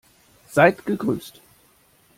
Seid gegrüßt!